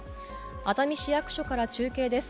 熱海市役所から中継です。